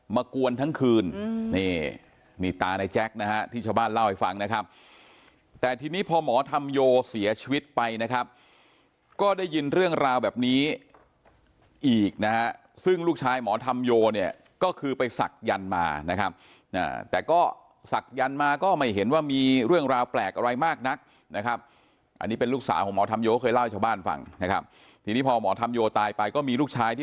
มากวนทั้งคืนนี่ตาในแจ๊คนะฮะที่ชาวบ้านเล่าให้ฟังนะครับแต่ทีนี้พอหมอธัมโยเสียชีวิตไปนะครับก็ได้ยินเรื่องราวแบบนี้อีกนะฮะซึ่งลูกชายหมอธัมโยเนี่ยก็คือไปศักดิ์ยันต์มานะครับแต่ก็ศักดิ์ยันต์มาก็ไม่เห็นว่ามีเรื่องราวแปลกอะไรมากนักนะครับอันนี้เป็นลูกสาวของหมอธัมโยเคยเล่าให